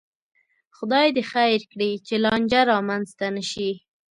خدای دې خیر کړي، چې لانجه را منځته نشي